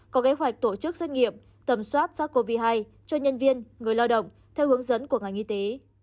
có kế hoạch tổ chức xét nghiệm tầm soát sars cov hai cho nhân viên người lao động theo hướng dẫn của ngành y tế